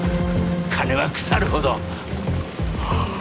金は腐るほど。